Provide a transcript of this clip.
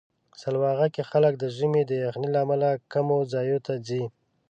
سلواغه کې خلک د ژمي د یخنۍ له امله کمو ځایونو ته ځي.